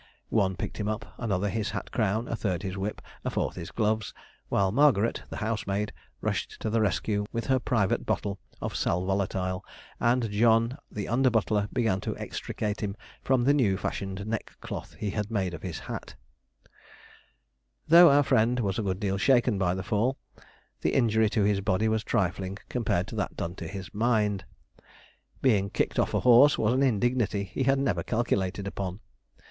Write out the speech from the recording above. One picked him up another his hat crown a third his whip a fourth his gloves while Margaret, the housemaid, rushed to the rescue with her private bottle of sal volatile and John, the under butler, began to extricate him from the new fashioned neckcloth he had made of his hat. [Illustration: MR. PACEY TRIES MULTUM IN PARVO] Though our friend was a good deal shaken by the fall, the injury to his body was trifling compared to that done to his mind. Being kicked off a horse was an indignity he had never calculated upon.